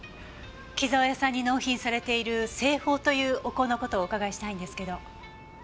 紀澤屋さんに納品されている清鳳というお香の事をお伺いしたいんですけど。